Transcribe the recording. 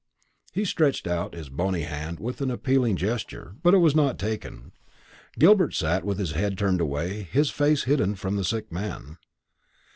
He stretched out his bony hand with an appealing gesture, but it was not taken. Gilbert sat with his head turned away, his face hidden from the sick man.